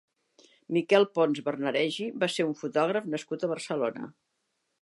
Miquel Pons Bernareggi va ser un fotògraf nascut a Barcelona.